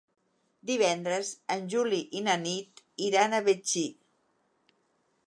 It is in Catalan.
Divendres en Juli i na Nit iran a Betxí.